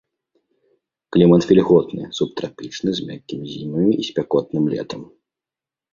Клімат вільготны субтрапічны з мяккімі зімамі і спякотным летам.